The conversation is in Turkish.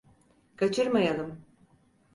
Kaçırmayalım…